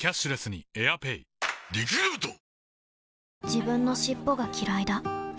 自分の尻尾がきらいだ